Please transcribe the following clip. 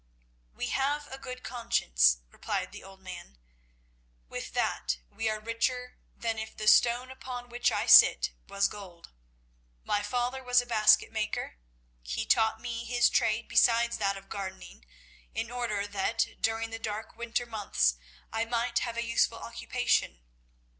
"We have a good conscience," replied the old man, "and with that we are richer than if the stone upon which I sit was gold. My father was a basket maker. He taught me his trade besides that of gardening, in order that, during the dark winter months, I might have a useful occupation.